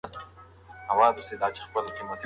صنعتي انقلاب په اروپا کي پیل سو.